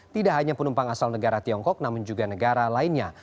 tidak hanya penumpang asal negara tiongkok namun juga negara lainnya